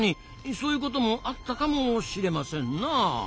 そういうこともあったかもしれませんな。